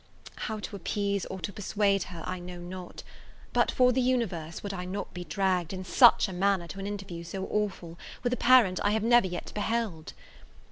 How to appease or to persuade her, I know not; but for the universe would I not be dragged, in such a manner, to an interview so awful, with a parent I have never yet beheld!